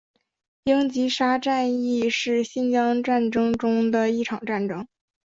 英吉沙战役是新疆战争中的一场战斗。